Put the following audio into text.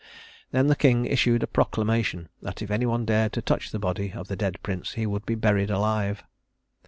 Then the king issued a proclamation that if any one dared to touch the body of the dead prince, he would be buried alive.